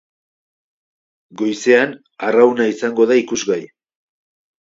Goizean, arrauna izango da ikusgai.